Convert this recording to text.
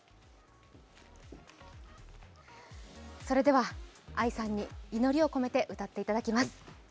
それではＡＩさんに祈りを込めて歌っていただきます。